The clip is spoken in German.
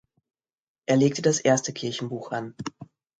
Er legte das erste Kirchenbuch an.